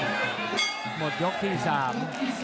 นี่หมดยกที่สาม